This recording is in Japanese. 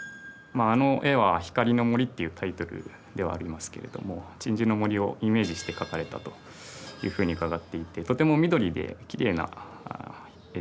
あの絵は「光の森」っていうタイトルではありますけれども鎮守の森をイメージして描かれたというふうに伺っていてとても緑できれいな絵でまた光の当て方で見え方も変わるっていう